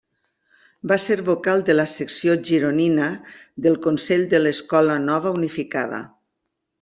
Va ser vocal de la secció gironina del Consell de l'Escola Nova Unificada.